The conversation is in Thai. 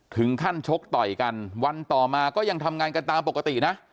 ชกต่อยกันวันต่อมาก็ยังทำงานกันตามปกตินะ